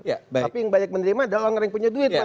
tapi yang banyak menerima adalah orang yang punya duit pak